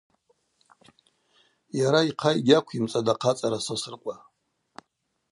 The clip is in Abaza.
Йара йхъа йгьаквйымцӏатӏ ахъацӏара Сосрыкъва.